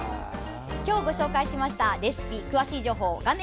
今日ご紹介しましたレシピ詳しい情報は画面